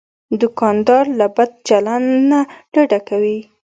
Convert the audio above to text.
دوکاندار له بد چلند نه ډډه کوي.